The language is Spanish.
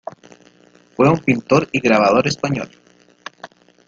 Fue un pintor y grabador español.